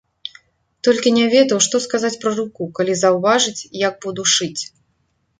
Толькі не ведаў, што сказаць пра руку, калі заўважыць, як буду шыць.